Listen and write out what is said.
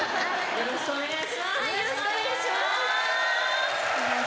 よろしくお願いします！